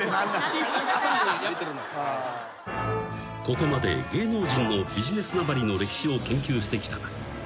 ［ここまで芸能人のビジネスなまりの歴史を研究してきたが］